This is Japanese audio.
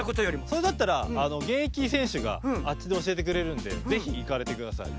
それだったらげんえきせんしゅがあっちでおしえてくれるんでぜひいかれてください。